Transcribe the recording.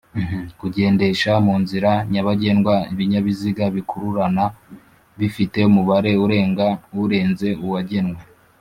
kugendesha munzira nyabagendwa ibinybiziga bikururana bifite Umubare urenga urenze uwagenwe